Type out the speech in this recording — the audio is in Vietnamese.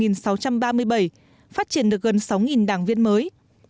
phát triển được gần sáu đảng viên mới